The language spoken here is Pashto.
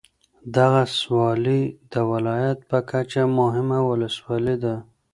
دغه ولسوالي د ولایت په کچه مهمه ولسوالي ده.